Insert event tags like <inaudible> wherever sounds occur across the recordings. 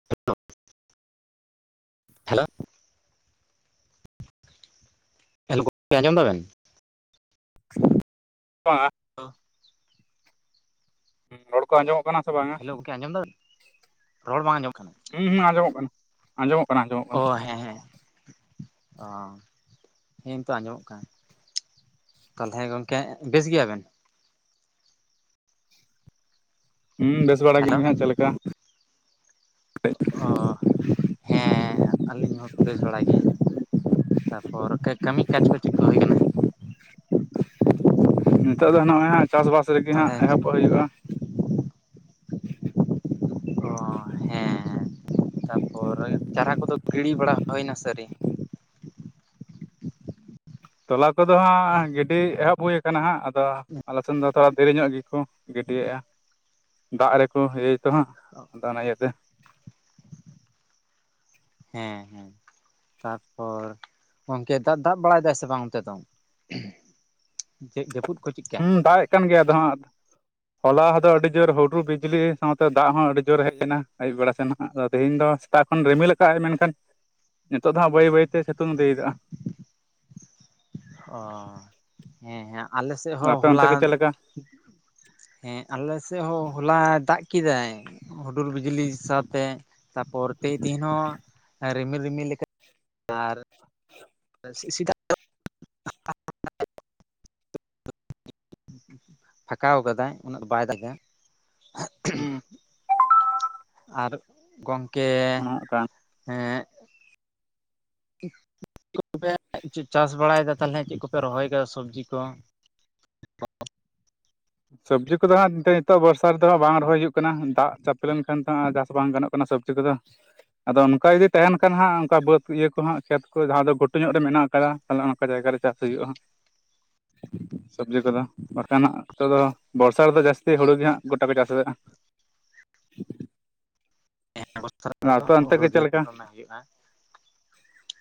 <unintelligible> Hello hello ᱜᱚᱝᱠᱮ ᱟᱸᱡᱚᱢ ᱫᱟᱵᱮᱱ ᱵᱟᱝ ᱚ ᱨᱚᱲ ᱠᱚ ᱟᱸᱡᱚᱢᱚᱜ ᱠᱟᱱᱟ ᱥᱮ ᱵᱟᱝ ᱦᱮᱞᱳ ᱜᱚᱢᱠᱮ ᱟᱸᱡᱚᱢ ᱫᱟᱵᱮᱱ? ᱨᱚᱲ ᱵᱟᱝ ᱟᱸᱡᱚᱢ ᱠᱟᱱᱟ ᱦᱩᱸ ᱦᱩᱸ ᱟᱸᱡᱚᱢᱚᱜ ᱠᱟᱱᱟ ᱟᱸᱡᱚᱢᱚᱜ ᱠᱟᱱᱟ ᱟᱸᱡᱚᱢᱚᱜ ᱚ ᱠᱟᱱᱟ ᱦᱮᱸ ᱦᱮᱸ ᱚ ᱦᱮ ᱛᱚ ᱟᱸᱡᱚᱢᱚᱜ ᱠᱟᱱᱟ ᱛᱟᱦᱚᱞᱮ ᱜᱚᱢᱠᱮ ᱵᱮᱥ ᱜᱮᱭᱟᱵᱮᱱ? ᱦᱩᱸ ᱵᱮᱥ ᱵᱟᱲᱟ ᱜᱮ ᱦᱮᱞᱳ ᱦᱟᱸᱜ ᱪᱮᱫ ᱞᱮᱠᱟ ᱚ ᱦᱮᱸ ᱟᱹᱞᱤᱧ ᱦᱚᱸ ᱵᱮᱥ ᱵᱟᱲᱟ ᱜᱮ ᱛᱟᱯᱚᱨ ᱠᱟᱹᱢᱤ ᱠᱟᱡᱽ ᱠᱚ ᱪᱮᱫ ᱠᱚ ᱦᱩᱭ ᱟᱠᱟᱱᱟ? ᱱᱤᱛᱚᱜ ᱫᱚ ᱱᱚᱜᱼᱚᱭ ᱦᱟᱜ ᱪᱟᱥᱵᱟᱥ ᱨᱮᱜᱮ ᱦᱟᱸᱜ ᱛᱟᱦᱚᱞᱮ ᱮᱦᱚᱵᱚᱜ ᱦᱩᱭᱩᱜᱼᱟ ᱚ ᱦᱮᱸ ᱛᱟᱯᱚᱨ ᱪᱟᱨᱟ ᱠᱚᱫᱚ ᱜᱤᱲᱤ ᱵᱟᱲᱟ ᱦᱩᱭᱳᱭᱱᱟ ᱥᱮ ᱟᱹᱣᱨᱤ? ᱛᱚᱞᱟ ᱠᱚᱫᱚ ᱦᱟᱸᱜ ᱜᱤᱰᱤ ᱮᱦᱚᱵ ᱦᱩᱭ ᱠᱟᱱᱟ ᱦᱟᱸᱜ ᱟᱫᱚ ᱟᱞᱮ ᱥᱮᱱ ᱫᱚ ᱛᱷᱚᱲᱟ ᱫᱮᱨᱤᱧᱚᱜ ᱜᱮᱠᱚ ᱜᱤᱰᱤᱭᱮᱫᱼᱟ, ᱫᱟᱜ ᱨᱮᱠᱚ <unintelligible> ᱟᱫᱚ ᱚᱱᱟ ᱤᱭᱟᱹ ᱛᱮ ᱦᱮᱸ ᱦᱮᱸ ᱛᱟᱨᱯᱚᱨ ᱜᱚᱝᱠᱮ ᱫᱟᱜ ᱫᱟᱜ ᱵᱟᱲᱟᱭᱮᱫᱟᱭ ᱥᱮ ᱵᱟᱝ ᱚᱱᱛᱮ ᱫᱚ? ᱪᱮᱫ ᱜᱮ ᱦᱩᱸ ᱫᱟᱜ ᱮᱜ ᱠᱟᱱ ᱜᱮᱭᱟ ᱟᱫᱚ ᱦᱟᱸᱜ ᱦᱚᱞᱟᱫᱚ ᱟᱹᱰᱤ ᱡᱳᱨ ᱦᱩᱰᱩᱨ ᱵᱤᱡᱽᱞᱤ ᱥᱟᱶᱛᱮ ᱫᱟᱜ ᱦᱚᱸ ᱟᱹᱰᱤ ᱡᱳᱨ ᱦᱮᱡ ᱮᱱᱟ ᱟᱹᱭᱩᱵ ᱵᱮᱲᱟ ᱥᱮᱱ ᱦᱟᱸᱜ, ᱟᱫᱚ ᱛᱮᱦᱮᱧ ᱫᱚ ᱥᱮᱛᱟᱜ ᱠᱷᱚᱱ ᱨᱤᱢᱤᱞ ᱠᱟᱜᱼᱟᱭ ᱢᱮᱱᱠᱷᱟᱱ ᱱᱤᱛᱚᱜ ᱫᱚ ᱦᱟᱸᱜ ᱵᱟᱹᱭ ᱵᱟᱹᱭᱛᱮ ᱥᱤᱛᱩᱝ ᱤᱫᱤᱭᱮᱫᱟ ᱚ ᱦᱮᱸ ᱦᱮᱸ ᱟᱞᱮ ᱥᱮᱫ ᱦᱚᱸ ᱟᱯᱮ ᱚᱱᱛᱮ ᱦᱚᱞᱟ ᱜᱮ ᱪᱮᱫ ᱞᱮᱠᱟ ᱦᱮᱸ ᱟᱞᱮ ᱥᱮᱫ ᱦᱚᱸ ᱦᱚᱞᱟ ᱫᱟᱜ ᱠᱮᱫᱟᱭ ᱦᱩᱰᱩᱨ ᱵᱤᱡᱤᱞᱤ ᱥᱟᱶᱛᱮ ᱛᱟᱨᱯᱚᱨ <unintelligible> ᱦᱚᱸ ᱨᱤᱢᱤᱞ ᱨᱤᱢᱤᱞ ᱞᱮᱠᱟ <unintelligible> <inaudible> <unintelligible> ᱯᱷᱟᱠᱟᱣ ᱠᱟᱫᱟᱭ ᱩᱱᱟᱹᱜ ᱫᱚ ᱵᱟᱭ ᱫᱟᱜᱟ ᱦᱩᱸ ᱟᱨ ᱜᱚᱝᱠᱮ ᱚᱱᱮ ᱚᱱᱠᱟ ᱮᱸ <inaudible> ᱪᱮᱫ ᱠᱚᱯᱮ ᱪᱮ ᱪᱟᱥ ᱵᱟᱲᱟᱭᱮᱫᱟ ᱛᱟᱞᱦᱮ ᱪᱮᱫ ᱠᱚᱯᱮ ᱨᱚᱦᱚᱭ ᱠᱟᱫᱟ ᱥᱚᱵᱽᱡᱤ ᱠᱚ? ᱥᱚᱵᱽᱡᱤ ᱠᱚᱫᱚ ᱦᱟᱸᱜ ᱱᱤᱛᱚ ᱱᱤᱛᱚᱜ ᱵᱚᱨᱥᱟ ᱨᱮᱫᱚ <inaudible> ᱵᱟᱝ ᱨᱚᱦᱚᱭ ᱦᱩᱭᱩᱜ ᱠᱟᱱᱟ ᱫᱟᱜ ᱪᱟᱯᱮ ᱞᱮᱱᱠᱷᱟᱱ ᱛᱚ ᱦᱟᱸᱜ ᱪᱟᱥ ᱵᱟᱝ ᱜᱟᱱᱚᱜ ᱠᱟᱱᱟ ᱥᱮ <unintelligible> ᱟᱫᱚ ᱚᱱᱠᱟ ᱡᱩᱫᱤ ᱛᱟᱦᱮᱱ ᱠᱷᱟᱱ ᱦᱟᱸᱜ ᱚᱝᱠᱟ ᱵᱟᱹᱫᱽ ᱤᱭᱟᱹ ᱠᱚ ᱦᱟᱸᱜ ᱠᱷᱮᱛ ᱠᱚ ᱡᱟᱦᱟᱸ ᱫᱚ ᱜᱷᱩᱴᱩ ᱧᱚᱜ ᱨᱮ ᱢᱮᱱᱟᱜ ᱟᱠᱟᱫᱟ ᱛᱟᱞᱦᱮ ᱚᱱᱟ ᱠᱚ ᱡᱟᱭᱜᱟ ᱨᱮ ᱪᱟᱥ ᱦᱩᱭᱩᱜᱼᱟ ᱦᱟᱸᱜ <inaudible> ᱥᱚᱵᱽᱡᱤ ᱠᱚᱫᱚ ᱵᱟᱠᱷᱟᱱ ᱦᱟᱸᱜ ᱱᱤᱛᱚᱜ ᱫᱚ ᱵᱚᱨᱥᱟ ᱨᱮᱫᱚ ᱡᱟᱹᱥᱛᱤ ᱦᱩᱲᱩ ᱜᱮ ᱦᱟᱸᱜ ᱜᱚᱴᱟ ᱠᱚ ᱪᱟᱥᱮᱫᱼᱟ <unintelligible> ᱚᱱᱛᱮ ᱦᱩᱲᱩ ᱜᱮ ᱪᱮᱫ ᱞᱮᱠᱟ ᱫᱚᱢᱮ ᱦᱩᱭᱩᱜᱼᱟ,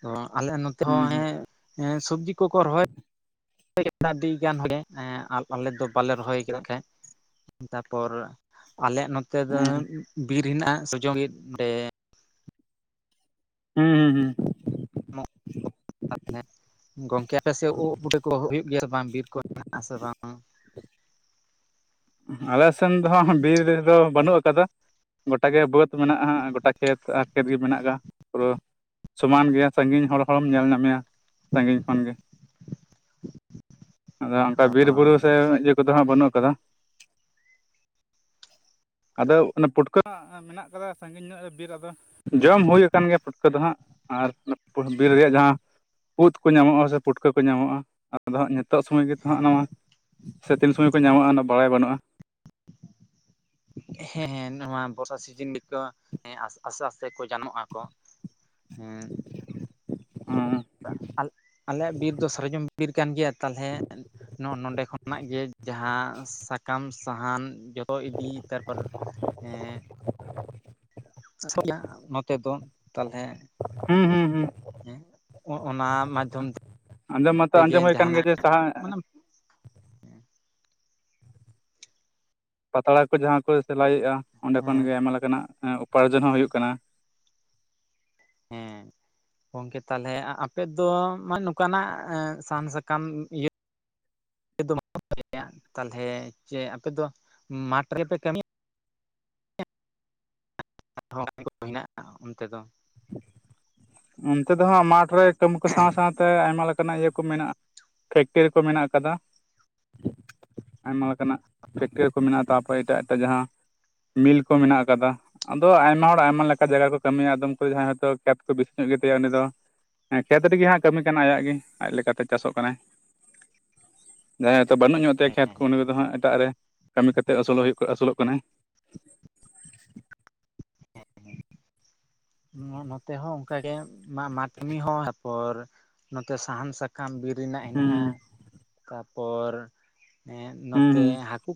ᱛᱚ ᱟᱞᱮ ᱱᱚᱛᱮ ᱦᱩᱸ ᱦᱚᱸ ᱦᱮᱸ ᱦᱮᱸ ᱥᱚᱵᱽᱡᱤ ᱠᱚᱠᱚ ᱨᱚᱦᱚᱭᱟ <unintelligible> ᱟᱞ ᱟᱞᱮ ᱫᱚ ᱵᱟᱞᱮ ᱨᱚᱦᱚᱭ <unintelligible> ᱛᱟᱯᱚᱨ ᱟᱞᱮᱭᱟᱜ ᱱᱚᱛᱮ ᱫᱚ ᱦᱩᱸ ᱦᱩᱸ ᱵᱤᱨ ᱦᱮᱱᱟᱜᱼᱟ <unintelligible> ᱵᱤᱨ ᱚᱸᱰᱮ ᱦᱩᱸ ᱦᱩᱸ ᱦᱩᱸ <unintelligible> ᱜᱚᱝᱠᱮ ᱟᱯᱮ ᱥᱮᱜ ᱩᱫ ᱵᱩᱴᱟᱹ ᱠᱚ ᱦᱩ ᱦᱩᱭᱩᱜ ᱜᱮᱭᱟ ᱥᱮ ᱵᱟᱝ ᱵᱤᱨ ᱠᱚ? <unintelligible> ᱟᱞᱮ ᱥᱮᱱ ᱫᱚ ᱦᱟᱸᱜ ᱵᱤᱨ ᱫᱟᱨᱮ ᱫᱚ ᱵᱟᱹᱱᱩᱜ ᱟᱠᱟᱫᱟ ᱜᱚᱴᱟ ᱜᱮ ᱵᱟᱹᱫᱽ ᱢᱮᱱᱟᱜ-ᱟ ᱦᱟᱸᱜ ᱜᱚᱴᱟ ᱠᱷᱮᱛ ᱟᱨ <unintelligible> ᱜᱮ ᱢᱮᱱᱟᱜ ᱠᱟᱜ ᱯᱩᱨᱟᱹ ᱥᱚᱢᱟᱱ ᱜᱮᱭᱟ ᱥᱟᱺᱜᱤᱧ ᱦᱚᱲ ᱦᱚᱲᱦᱚᱢ ᱧᱮᱞ ᱧᱟᱢᱮᱭᱟ ᱥᱟᱺᱜᱤᱧ ᱠᱷᱚᱱᱜᱮ ᱟᱫᱚ ᱚᱝᱠᱟ ᱵᱤᱨ ᱵᱩᱨᱩ ᱥᱮ ᱤᱭᱟᱹ ᱠᱚᱫᱚ ᱦᱟᱸᱜ ᱵᱟᱹᱱᱩᱜ ᱟᱠᱟᱫᱟ ᱟᱫᱚ ᱚᱱᱟ ᱯᱩᱴᱠᱟᱹ ᱦᱟᱸᱜ ᱢᱮᱱᱟᱜ ᱠᱟᱫᱟ ᱥᱟᱺᱜᱤ ᱱᱤᱱᱟᱹᱜ ᱵᱤᱨ ᱟᱫᱚ ᱡᱚᱢ ᱦᱩᱭ ᱟᱠᱟᱱ ᱜᱮᱭᱟ ᱯᱩᱴᱠᱟᱹ ᱫᱚ ᱦᱟᱸᱜ ᱟᱨ ᱵᱤᱨ ᱨᱮᱭᱟᱜ ᱡᱟᱦᱟᱸ ᱩᱫ ᱠᱚ ᱧᱟᱢᱚᱜᱼᱟ ᱥᱮ ᱯᱩᱴᱠᱟᱹ ᱠᱚ ᱧᱟᱢᱚᱜᱼᱟ ᱟᱫᱚ ᱦᱟᱸᱜ <unintelligible> ᱥᱮᱛᱟᱜ ᱥᱳᱢᱚᱭ ᱜᱮᱛᱚ ᱦᱟᱸᱜ ᱚᱱᱟ ᱦᱮᱸ ᱢᱟ ᱥᱮ ᱛᱤᱱ ᱥᱚᱢᱚᱭ ᱠᱚ ᱧᱟᱢᱚᱜᱼᱟ ᱚᱱᱟ ᱵᱟᱲᱟᱭ ᱵᱟᱹᱱᱩᱜᱼᱟ ᱦᱮᱸ ᱦᱮᱸ ᱱᱚᱣᱟ ᱵᱚᱨᱥᱟ ᱥᱤᱡᱤᱱ ᱜᱮᱠᱚ ᱟᱥ ᱟᱥᱥᱮ ᱟᱥᱛᱮ ᱠᱚ ᱡᱟᱱᱟᱢᱚᱜ ᱟᱠᱚ ᱦᱩᱸ <inaudible> ᱦᱩᱸ ᱟᱞ ᱟᱞᱮᱭᱟᱜ ᱵᱤᱨ ᱫᱚ ᱥᱟᱨᱡᱚᱢ ᱵᱤᱨ ᱠᱟᱱ ᱜᱮᱭᱟ ᱛᱟᱞᱦᱮ ᱱᱚᱜ ᱱᱚᱰᱮ ᱠᱷᱚᱱᱟᱜ ᱜᱮ ᱡᱟᱦᱟᱸ ᱥᱟᱠᱟᱢ ᱥᱟᱦᱟᱱ ᱡᱚᱛᱚ ᱤᱫᱤ ᱛᱟᱨᱯᱚᱨ ᱮᱸ <unintelligible> ᱱᱚᱛᱮ ᱫᱚ ᱛᱟᱞᱦᱮᱸ ᱦᱩᱸ ᱦᱩᱸ ᱦᱩᱸ ᱦᱮᱸ ᱚᱼᱚᱱᱟ ᱢᱟᱫᱽᱫᱷᱚᱢ ᱛᱮ ᱟᱸᱡᱚᱢ ᱢᱟᱛᱚ ᱛᱮᱜᱮ ᱟᱸᱡᱚᱢ ᱦᱩᱭ ᱟᱠᱟᱱ ᱡᱟᱦᱟᱸᱱᱟᱜ ᱜᱮᱭᱟ ᱡᱮ ᱥᱟᱦᱟ <unintelligible> ᱯᱟᱛᱲᱟ ᱠᱚ ᱡᱟᱦᱟᱸ ᱠᱚ ᱥᱮᱞᱟᱭᱮᱜᱼᱟ ᱚᱸᱰᱮ ᱠᱷᱚᱱ ᱦᱮᱸ ᱜᱮ ᱟᱭᱢᱟ ᱞᱮᱠᱟᱱᱟᱜ ᱩᱯᱟᱭᱡᱚᱱ ᱦᱚᱸ ᱦᱩᱭᱩᱜ ᱠᱟᱱᱟ ᱦᱮᱸ ᱜᱚᱝᱠᱮ ᱛᱟᱞᱦᱮ ᱟᱼᱟᱯᱮ ᱫᱚ ᱢᱟ <unintelligible> ᱱᱚᱠᱟᱱᱟᱜ ᱥᱟᱱ ᱥᱟᱠᱟᱢ ᱤᱭᱟᱹ ᱟᱯᱮ ᱫᱚ <inaudible> <unintelligible> ᱛᱟᱞᱦᱮ ᱪᱮ ᱟᱯᱮ ᱫᱚ ᱢᱟᱴᱷ ᱨᱮᱯᱮ ᱠᱟᱹᱢᱤᱭᱟ <unintelligible> ᱦᱮᱱᱟᱜᱼᱟ ᱚᱱᱛᱮ ᱫᱚ ᱚᱱᱛᱮ ᱫᱚ ᱦᱟᱸᱜ ᱢᱟᱴᱷ ᱨᱮ ᱠᱟᱹᱢᱤ ᱠᱚ ᱥᱟᱸᱶ ᱥᱟᱸᱶᱛᱮ ᱟᱭᱢᱟ ᱞᱮᱠ ᱤᱭᱟᱹ ᱠᱚ ᱢᱮᱱᱟᱜᱼᱟ ᱯᱷᱮᱠᱴᱨᱤ ᱠᱚ ᱢᱮᱱᱟᱜ ᱟᱠᱟᱫᱟ <inaudible> ᱟᱭᱢᱟ ᱞᱮᱠᱟᱱᱟᱜ ᱯᱷᱮᱠᱴᱨᱤ ᱠᱚ ᱢᱮᱱᱟᱜᱼᱟ ᱛᱟᱯᱚᱨᱮ ᱮᱴᱟᱜ ᱮᱴᱟᱜ ᱡᱟᱦᱟᱸ ᱢᱤᱞ ᱠᱚ ᱢᱮᱱᱟᱜ ᱟᱠᱟᱫᱟ ᱟᱫᱚ ᱟᱭᱢᱟ ᱦᱚᱲ ᱟᱭᱢᱟ ᱞᱮᱠᱟ ᱡᱟᱜᱟ ᱠᱚ ᱠᱟᱹᱢᱤᱭᱟ ᱟᱫᱚᱢ ᱠᱚ ᱡᱟᱦᱟᱸᱭ ᱦᱚᱭᱛᱚ ᱠᱷᱮᱛ ᱠᱚ ᱵᱤ ᱧᱚᱜ ᱜᱮᱛᱟᱭᱟ ᱩᱱᱤ ᱫᱚ ᱠᱷᱮᱛ ᱨᱮᱜᱮ ᱦᱟᱸᱜ ᱠᱟᱹᱢᱤ ᱠᱟᱱᱟ ᱟᱭᱟᱜ ᱜᱮ ᱟᱡ ᱞᱮᱠᱟᱛᱮ ᱪᱟᱥᱚᱜ ᱠᱟᱱᱟᱭ <inaudible> ᱡᱟᱦᱟᱸᱭ ᱦᱚᱛᱳ ᱵᱟᱹᱱᱩᱜ ᱧᱚᱜ ᱛᱟᱭᱟ ᱠᱷᱮᱛ ᱠᱚ ᱩᱱᱤ ᱠᱚᱫᱚ ᱦᱟᱸᱜ ᱮᱴᱟᱜ ᱨᱮ ᱠᱟᱹᱢᱤ ᱠᱟᱛᱮ ᱟᱹᱥᱩᱞᱚᱜ ᱦᱩᱭᱩᱜ ᱟᱹᱥᱩᱞᱚᱜ ᱠᱟᱱᱟᱭ ᱱᱚᱛᱮ ᱦᱚᱸ ᱚᱱᱠᱟᱜᱮ ᱢᱟ ᱢᱟᱱᱢᱤ ᱦᱚᱸ ᱛᱟᱯᱚᱨ ᱱᱚᱛᱮ ᱥᱟᱦᱟᱱ ᱥᱟᱠ ᱥᱟᱠᱟᱢ ᱵᱤᱨ ᱨᱮᱱᱟᱜ ᱦᱩᱸ ᱦᱮᱱᱟᱜᱼᱟ ᱛᱟᱯᱚᱨ ᱮᱸᱫ ᱦᱩᱸ ᱱᱚᱛᱮ ᱦᱩᱸ ᱦᱟᱹᱠᱩ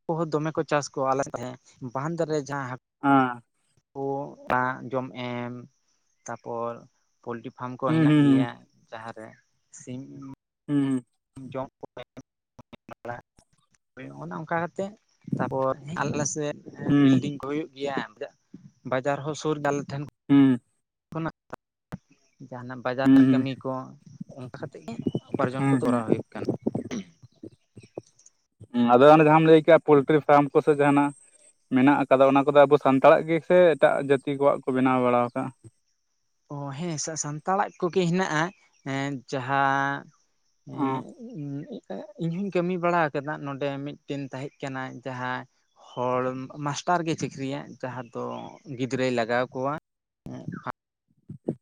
ᱦᱟᱠᱩ ᱦᱚᱸ ᱫᱚᱢᱮ ᱠᱚ ᱪᱟᱥ ᱠᱚᱣᱟ ᱟᱞᱮ <unintelligible> ᱛᱟᱦᱮᱸ ᱵᱟᱱᱫᱽ ᱨᱮ ᱡᱟᱦᱟᱸ ᱦᱟᱸ <unintelligible> ᱡᱚᱢ ᱮᱢ ᱛᱟᱯᱚᱨ ᱯᱳᱞᱴᱤ ᱯᱷᱟᱢ ᱠᱚ ᱦᱩᱸ ᱦᱮᱱᱟᱜ ᱦᱩᱸ ᱜᱮᱭᱟ ᱡᱟᱦᱟᱸ ᱨᱮ ᱥᱤᱢ ᱦᱩᱸ ᱡᱚᱢ ᱠᱚ <unintelligible> <unintelligible> ᱚᱱᱠᱟ ᱠᱟᱛᱮ ᱛᱟᱯᱚᱨ ᱟᱞᱮ ᱥᱮᱫ ᱦᱩᱸ ᱦᱮᱸ ᱦᱩᱸ ᱵᱤᱞᱰᱤᱝ ᱠᱚ ᱦᱩᱭᱩᱜ ᱜᱮᱭᱟ ᱵᱟᱡᱟᱨ ᱦᱚ ᱥᱩᱨ ᱜᱮ ᱟᱞᱮ ᱴᱷᱮᱱ ᱦᱩᱸ <inaudible> ᱡᱟᱦᱟᱱᱟᱜ ᱵᱟᱡᱟᱨ ᱦᱩᱸ ᱠᱟᱹᱢᱤ ᱠᱚ ᱚᱱᱠᱟ ᱠᱟᱛᱮᱫ ᱜᱮ ᱩᱯᱟᱨᱡᱚᱱ ᱠᱚ ᱦᱩᱸ ᱦᱩᱸ ᱛᱚᱨᱟᱣ ᱦᱩᱭᱩᱜ ᱠᱟᱱᱟ ᱟᱫᱚ ᱚᱱᱮ ᱡᱟᱦᱟᱸᱢ ᱞᱟᱹᱭ ᱠᱮᱜᱼᱟ ᱯᱚᱞᱴᱨᱤ ᱯᱷᱟᱨᱢ ᱠᱚᱥᱮ ᱡᱟᱦᱟᱱᱟᱜ ᱢᱮᱱᱟᱜ ᱟᱠᱟᱫᱟ ᱚᱱᱟ ᱠᱚᱫᱚ ᱟᱵᱚ ᱥᱟᱱᱛᱟᱲᱟᱜ ᱜᱮ ᱥᱮ ᱮᱴᱟᱜ ᱡᱟᱹᱛᱤ ᱠᱚᱣᱟᱜ ᱠᱚ ᱵᱮᱱᱟᱣ ᱵᱟᱲᱟᱣ ᱟᱠᱟᱜᱼᱟ ᱚ ᱦᱮᱸ ᱥᱟ ᱥᱟᱱᱛᱟᱲᱟᱜ ᱠᱚᱜᱮ ᱦᱮᱱᱟᱜᱼᱟ ᱮᱸᱫ ᱡᱟᱦᱟᱸ ᱮᱸ ᱚ <unintelligible> ᱤᱧ ᱦᱩᱧ ᱠᱟᱹᱢᱤ ᱵᱟᱲᱟ ᱠᱟᱫᱟ ᱱᱚᱰᱮ ᱢᱤᱫᱴᱮᱱ ᱛᱟᱦᱮᱸ ᱠᱟᱱᱟ ᱡᱟᱦᱟᱸ ᱦᱚᱲ ᱢᱟᱥᱴᱟᱨ ᱜᱮ ᱪᱟᱹᱠᱨᱤᱭᱟ ᱡᱟᱦᱟᱸ ᱫᱚ ᱜᱤᱫᱽᱨᱟᱹᱭ ᱞᱟᱜᱟᱣ ᱠᱚᱣᱟ ᱩᱸ <unintelligible>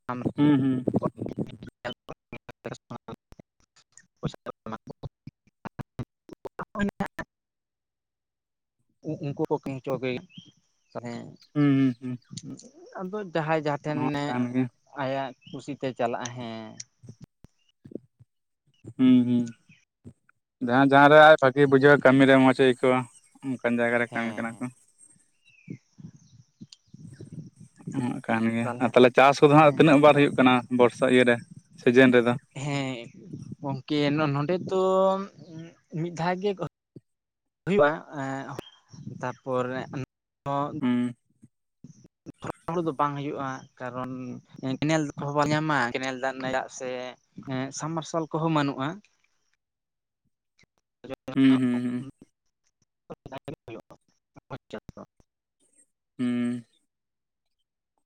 ᱟᱢ ᱦᱩᱸ ᱦᱩᱸ <unintelligible> ᱚᱱ <unintelligible> ᱩ ᱩᱱᱠᱩ <unintelligible> ᱛᱟᱦᱮ ᱾ ᱦᱩᱸ ᱦᱩᱸ ᱾ ᱟᱫᱚ ᱡᱟᱦᱟᱸᱭ ᱡᱟᱦᱟᱸ ᱴᱷᱮᱱ ᱮ ᱠᱟᱱ ᱜᱮ ᱟᱭᱟᱜ ᱠᱩᱥᱤᱛᱮ ᱪᱟᱞᱟᱜ ᱦᱮᱸ ᱾ ᱦᱩᱸ ᱦᱩᱸ, ᱡᱟᱦᱟᱸᱭ ᱡᱟᱦᱟᱸ ᱨᱮ ᱟᱡ ᱵᱷᱟᱜᱤᱭ ᱵᱩᱡᱷᱟᱹᱣᱟ ᱠᱟᱹᱢᱤ ᱨᱮ ᱢᱚᱸᱡᱽ ᱟᱹᱭᱠᱟᱹᱣᱟ ᱾ ᱚᱱᱠᱟᱱ ᱡᱟᱭᱜᱟ ᱨᱮ ᱠᱟᱹᱢᱤ ᱦᱮᱸ ᱠᱟᱱᱟ ᱦᱮᱸ ᱠᱚ ᱾ ᱦᱟᱸᱜ ᱠᱟᱱ ᱜᱮᱭᱟ ᱟᱨ ᱛᱟᱦᱚᱞᱮ ᱛᱟᱦᱞᱮ ᱪᱟᱥ ᱠᱚᱫᱚ ᱦᱟᱸᱜ ᱦᱮᱸ ᱛᱤᱱᱟᱹᱜ ᱵᱟᱨ ᱦᱩᱭᱩᱜ ᱠᱟᱱᱟ ᱵᱚᱨᱥᱟ ᱤᱭᱟᱹ ᱨᱮ ᱥᱤᱡᱤᱱ ᱨᱮ ᱦᱮᱸ ᱜᱚᱝᱠᱮ ᱱᱚᱰ ᱱᱚᱰᱮ ᱫᱚ ᱢᱤᱫ ᱫᱷᱟᱣ ᱜᱮ ᱦᱩᱭᱩᱜᱼᱟ, ᱮᱸᱜ ᱛᱟᱯᱚᱨᱮ <unintelligible> ᱦᱩᱸ ᱾ <unintelligible> <unintelligible> ᱦᱩᱲᱩ ᱫᱚ ᱵᱟᱝ ᱦᱩᱭᱩᱜᱼᱟ ᱠᱟᱨᱚᱱ ᱠᱮᱱᱮᱞ ᱠᱚᱦᱚᱸ ᱵᱟᱭ ᱧᱟᱢᱟ ᱠᱮᱱᱮᱞ ᱫᱟᱜ ᱨᱮᱱᱟᱜ <unintelligible> ᱥᱮ ᱮᱸᱜ ᱥᱟᱵᱢᱟᱨᱥᱟᱞ ᱠᱚᱦᱚᱸ ᱢᱟᱹᱱᱩᱜᱼᱟ ᱾ <unintelligible> ᱦᱩᱸ ᱦᱩᱸ ᱦᱩᱸ ᱾ <unintelligible> ᱦᱩᱸ ᱾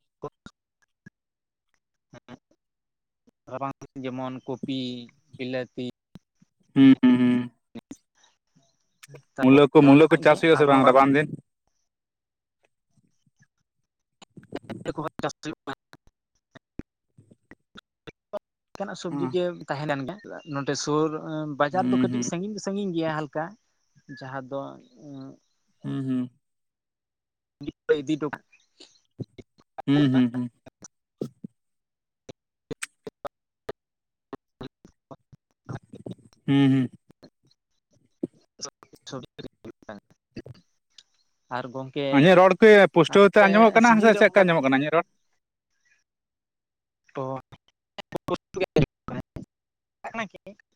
<unintelligible> ᱨᱟᱵᱟᱝ ᱫᱤᱱ ᱡᱮᱢᱚᱱ ᱠᱚᱯᱤ, ᱵᱤᱞᱟᱹᱛᱤ, ᱦᱩᱸ <unintelligible> ᱦᱩᱸ ᱾ ᱢᱩᱞᱟᱹ ᱠᱚ, ᱱᱚᱸᱰᱮ ᱢᱩᱞᱟᱹ ᱠᱚ ᱠᱷᱚᱡ ᱜᱮ ᱪᱟᱥ ᱦᱩᱭᱩᱜ ᱟᱥᱮ ᱟᱨᱦᱚᱸ ᱵᱟᱝ ᱨᱟᱵᱟᱝ ᱫᱤᱱ? <unintelligible> <unintelligible> ᱠᱟᱱᱟᱜ ᱥᱚᱵᱡᱤ ᱦᱩᱸ ᱜᱮ ᱛᱟᱦᱮᱸ ᱞᱮᱱ ᱜᱮᱭᱟ ᱱᱚᱸᱰᱮ ᱥᱩᱨ ᱵᱟᱡᱟᱨ ᱫᱚ ᱠᱟᱹᱴᱤᱡ ᱦᱩᱸ ᱥᱟᱺᱜᱤᱧ ᱫᱚ ᱥᱟᱺᱜᱤᱧ ᱜᱮᱭᱟ ᱦᱟᱞᱠᱟ ᱡᱟᱦᱟᱸ ᱫᱚ ᱟᱺᱻ ᱦᱩᱸ ᱦᱩᱸ ᱾ <unintelligible> ᱦᱩᱸ ᱦᱩᱸ ᱦᱩᱸ ᱾ <unintelligible> ᱦᱩᱸ ᱦᱩᱸ, <unintelligible> ᱟᱨ ᱜᱚᱝ ᱤᱧᱟᱹᱜ ᱨᱚᱲ ᱠᱚ ᱯᱩᱥᱴᱟᱹᱣ ᱛᱮ ᱟᱸᱡᱚᱢᱚᱜ ᱟᱞᱮ ᱠᱟᱱᱟ ᱥᱮ ᱥᱤᱡᱤᱱ ᱨᱮ ᱪᱮᱫ ᱞᱮᱠᱟ ᱚᱱᱠᱟ ᱟᱸᱡᱚᱢᱚᱜ ᱠᱟᱱᱟ ᱤᱧᱟᱹᱜ ᱨᱚᱲ <unintelligible>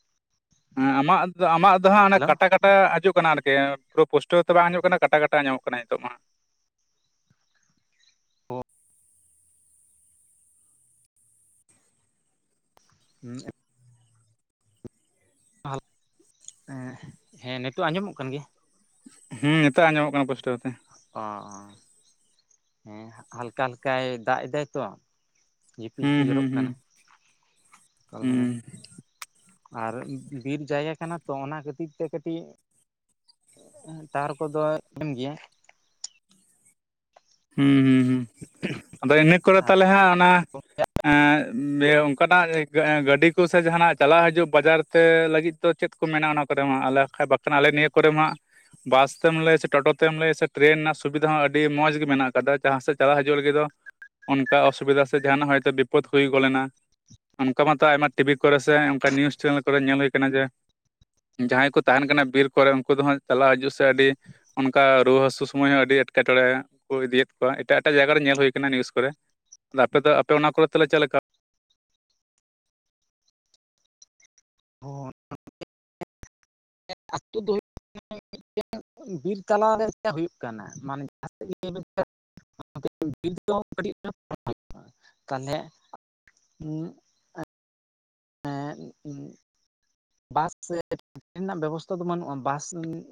ᱦᱮᱸ ᱟᱢᱟᱜ ᱫᱚ ᱟᱢᱟᱜ ᱫᱚ ᱦᱟᱸᱜ ᱠᱟᱴᱟ ᱠᱟᱴᱟ <unintelligible> ᱦᱤᱡᱩᱜ ᱠᱟᱱᱟ ᱟᱨᱠᱤ ᱯᱩᱨᱟᱹ ᱯᱩᱥᱴᱟᱹᱣ ᱛᱚ ᱵᱟᱝ ᱦᱤᱡᱩᱜ ᱠᱟᱱᱟ ᱠᱟᱴᱟ ᱠᱟᱴᱟ ᱟᱸᱡᱚᱢᱚᱜ ᱠᱟᱱᱟ ᱱᱤᱛᱚᱜ ᱢᱟ ᱾ ᱦᱩᱸ <unintelligible> ᱦᱮᱸ ᱱᱤᱛᱚᱜ ᱟᱸᱡᱚᱢᱚᱜ ᱠᱟᱱ ᱜᱮᱭᱟ? ᱦᱮᱸ ᱱᱤᱛᱚᱜ ᱟᱸᱡᱚᱢᱚᱜ ᱠᱟᱱᱟ ᱯᱩᱥᱴᱟᱹᱣ ᱛᱮ ᱾ ᱚ ᱚ ᱦᱮᱸ ᱦᱟᱞᱠᱟ ᱦᱟᱞᱠᱟᱭ ᱫᱟᱜ ᱮᱫᱟᱭ ᱛᱚ ᱾ ᱡᱷᱤᱯᱤ ᱦᱩᱸ ᱡᱷᱤᱯᱤ ᱡᱚᱨᱚᱜ ᱦᱩᱸ ᱠᱟᱱᱟ ᱦᱩᱸ ᱾ ᱛᱟᱦᱚᱞᱮ ᱦᱩᱸ ᱟᱨ ᱵᱤᱨ ᱡᱟᱭᱜᱟ ᱠᱟᱱᱟ ᱛᱚ ᱚᱱᱟ ᱠᱷᱟᱹᱛᱤᱨ ᱛᱮ ᱠᱟᱹᱴᱤᱡ ᱛᱟᱨ ᱠᱚᱫᱚ ᱮᱢ ᱜᱮᱭᱟ ᱾ ᱦᱩᱸ ᱦᱩᱸ ᱦᱩᱸ ᱟᱫᱚ ᱤᱱᱟᱹ ᱠᱚᱨᱮ ᱟᱨ ᱛᱟᱦᱚᱞᱮ ᱦᱟᱸᱜ ᱚᱱᱟ ᱮᱸᱜ ᱚᱱᱠᱟᱱᱟᱜ ᱜᱟᱹᱰᱤ ᱠᱚᱥ ᱡᱟᱦᱟᱱᱟᱜ ᱪᱟᱞᱟᱜ ᱦᱤᱡᱩᱜ ᱵᱟᱡᱟᱨ ᱛᱮ ᱞᱟᱹᱜᱤᱫ ᱪᱮᱫ ᱠᱚ ᱢᱮᱱᱟᱜ-ᱟ ᱚᱱᱟ ᱠᱚᱨᱮ ᱢᱟ ᱟᱞ ᱵᱟᱷᱟᱡ ᱵᱟᱝᱠᱷᱟᱱ ᱟᱞᱮ ᱱᱤᱭᱟᱹ ᱠᱚᱨᱮ ᱢᱟ ᱵᱟᱥ ᱛᱮᱢ ᱞᱟᱹᱭᱟ ᱥᱮ ᱴᱳᱴᱳ ᱛᱮᱢ ᱞᱟᱹᱭᱟ ᱥᱮ ᱴᱨᱮᱱ ᱨᱮᱱᱟᱜ ᱥᱩᱵᱤᱫᱷᱟ ᱦᱚᱸ ᱟᱹᱰᱤ ᱢᱚᱸᱡᱽ ᱜᱮ ᱢᱮᱱᱟᱜ ᱟᱠᱟᱫᱟ ᱡᱟᱦᱟᱸ ᱥᱮᱫ ᱪᱟᱞᱟᱜ ᱦᱤᱡᱩᱜ ᱞᱟᱹᱜᱤᱫ ᱫᱚ ᱚᱱᱠᱟ ᱚᱥᱩᱵᱤᱫᱟ ᱥᱮ ᱡᱟᱦᱟᱱᱟᱜ ᱦᱚᱭᱛᱚ ᱵᱤᱯᱚᱫ ᱦᱩᱭ ᱜᱚᱞ ᱮᱱᱟ ᱚᱱᱠᱟ ᱢᱟᱛᱚ ᱟᱭᱢᱟ ᱴᱤᱵᱷᱤ ᱠᱚᱨᱮ ᱥᱮ ᱚᱱᱠᱟ ᱱᱤᱭᱩᱡ ᱪᱮᱱᱮᱞ ᱠᱚᱨᱮ ᱧᱮᱞ ᱦᱩᱭ ᱟᱠᱟᱱᱟ ᱡᱮ ᱡᱟᱦᱟᱸᱭ ᱠᱚ ᱛᱟᱦᱮᱱ ᱠᱟᱱᱟ ᱵᱤᱨ ᱠᱚᱨᱮ, ᱩᱱᱠᱩ ᱫᱚ ᱦᱟᱸᱜ ᱪᱟᱞᱟᱣ ᱦᱤᱡᱩᱜ ᱥᱮ ᱟᱹᱰᱤ ᱚᱱᱠᱟ ᱨᱩᱣᱟᱹ ᱦᱟᱹᱥᱩ ᱥᱳᱢᱚᱭ ᱦᱚᱸ ᱟᱹᱰᱤ ᱮᱴᱠᱮᱴᱚᱬᱮ ᱤᱫᱤᱭᱮᱫ ᱠᱚᱣᱟ ᱮᱴᱟᱜ ᱮᱴᱟᱜ ᱡᱟᱭᱜᱟ ᱨᱮ ᱧᱮᱞ ᱦᱩᱭ ᱟᱠᱟᱱᱟ ᱱᱤᱭᱩᱥ ᱠᱚᱨᱮ ᱟᱫᱚ ᱟᱯᱮ ᱫᱚ ᱟᱯᱮ ᱚᱱᱟ ᱠᱚᱨᱮᱞᱮ ᱪᱮᱫ ᱞᱮᱠᱟ? ᱦᱚᱱ <unintelligible> ᱵᱤᱨ ᱛᱟᱟᱞᱟᱨᱮ ᱪᱮᱫ ᱦᱩᱭᱩᱜ ᱠᱟᱱᱟ ᱢᱟᱱᱮ ᱡᱟᱦᱟᱸ ᱥᱮᱫ ᱜᱮ <unintelligible> <unintelligible> ᱮᱸᱫ ᱵᱟᱥ ᱥᱮ ᱴᱨᱮᱱᱟᱜ ᱵᱮᱵᱚᱥᱛᱷᱟ ᱫᱚ ᱵᱟᱹᱱᱩᱜᱼᱟ ᱵᱟᱥ <unintelligible>